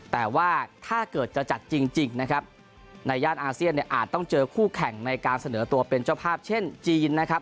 แต่ว่าถ้าเกิดจะจัดจริงนะครับในย่านอาเซียนเนี่ยอาจต้องเจอคู่แข่งในการเสนอตัวเป็นเจ้าภาพเช่นจีนนะครับ